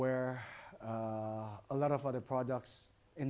anda lebih yakin dengan banyak produk lain